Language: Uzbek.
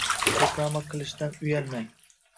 Reklama qilishdan uyalmang